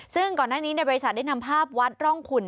ซึ่งก่อนหน้านี้ในบริษัทได้นำภาพวัดร่องขุน